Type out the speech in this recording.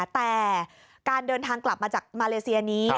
แต่การเดินทางกลับมาจากมาเลเซียนี้